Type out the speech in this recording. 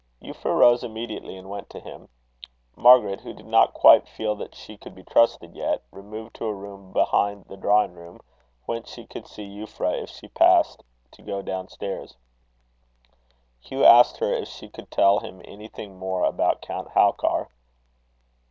Euphra rose immediately, and went to him. Margaret, who did not quite feel that she could be trusted yet, removed to a room behind the drawing room, whence she could see Euphra if she passed to go down stairs. Hugh asked her if she could tell him anything more about Count Halkar.